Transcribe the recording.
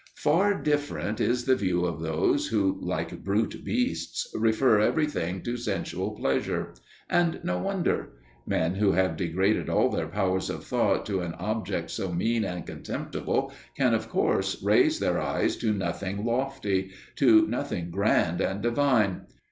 Far different is the view of those who, like brute beasts, refer everything to sensual pleasure. And no wonder. Men who have degraded all their powers of thought to an object so mean and contemptible can of course raise their eyes to nothing lofty, to nothing grand and divine.